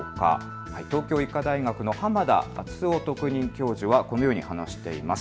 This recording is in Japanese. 東京医科大学の濱田篤郎特任教授はこのように話しています。